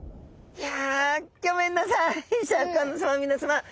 いや。